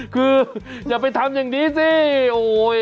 คืออย่าไปทำอย่างนี้สิโอ้ย